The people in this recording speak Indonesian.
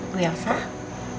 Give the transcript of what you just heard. lu yang selalu